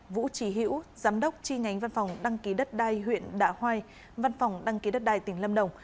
vũ trí hiễu giám đốc chi nhánh văn phòng đăng ký đất đai huyện đạ hoai văn phòng đăng ký đất đai tỉnh lâm đồng